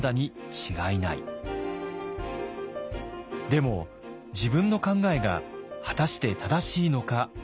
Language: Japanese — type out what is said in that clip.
でも自分の考えが果たして正しいのか確信が持てません。